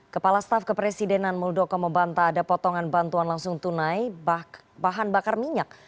kepala staf kepresidenan muldoko membantah ada potongan bantuan langsung tunai bahan bakar minyak